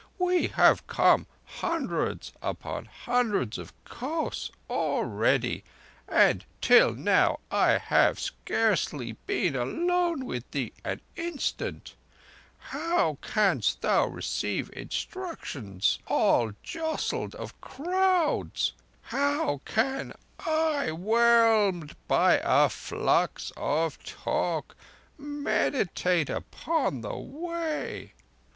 We have come hundreds upon hundreds of kos already, and, till now, I have scarcely been alone with thee an instant. How canst thou receive instruction all jostled of crowds? How can I, whelmed by a flux of talk, meditate upon the Way?"